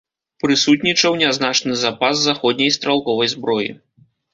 Прысутнічаў нязначны запас заходняй стралковай зброі.